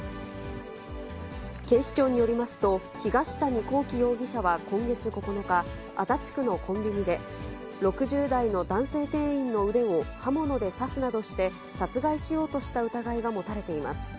警視庁によりますと、東谷昂紀容疑者は今月９日、足立区のコンビニで、６０代の男性店員の腕を刃物で刺すなどして、殺害しようとした疑いが持たれています。